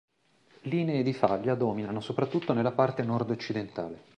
Linee di faglia dominano soprattutto nella parte nord-occidentale.